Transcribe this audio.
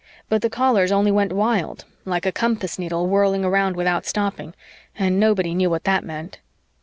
But the Callers only went wild like a compass needle whirling around without stopping and nobody knew what that meant.